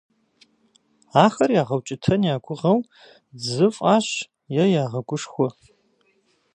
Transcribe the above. Ахэр ягъэукӀытэн я гугъэу дзы фӀащ е ягъэгушхуэ.